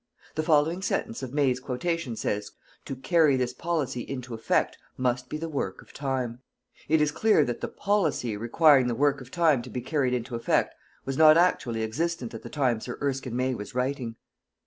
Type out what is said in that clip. The following sentence of May's quotation says: To carry this policy into effect must be the work of time. It is clear that the policy requiring the work of time to be carried into effect was not actually existent at the time Sir Erskine May was writing.